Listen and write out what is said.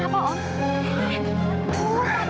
ya allah om kenapa om